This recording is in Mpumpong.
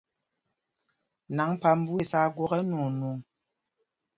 Naŋg phamb wes aa gwok ɛnwɔɔnɔŋ.